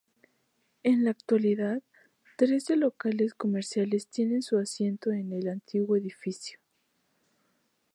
En la actualidad, trece locales comerciales tienen su asiento en el antiguo edificio.